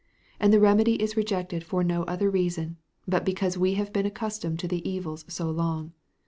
And the remedy is rejected for no other reason, but because we have been accustomed to the evils so long.